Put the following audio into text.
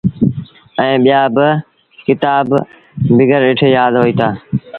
ائيٚݩ ٻيآ با ڪتآب بيٚگر ڏٺي يآد هوئيٚتآ۔